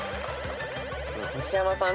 西山さん